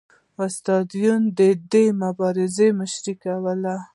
استاد یون د دې مبارزې مشري کوله